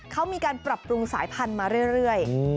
เขามีการปรับปรุงสายพันธุ์มาเรื่อย